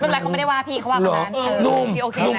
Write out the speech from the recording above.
เป็นไรเขาไม่ได้ว่าพี่เขาว่าก็นานพี่โอเคแหละหรอนุ่ม